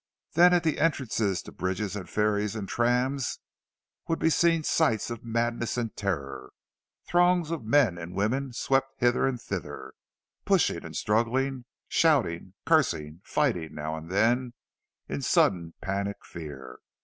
Then at the entrances to bridges and ferries and trams, would be seen sights of madness and terror; throngs of men and women swept hither and thither, pushing and struggling, shouting, cursing—fighting, now and then, in sudden panic fear.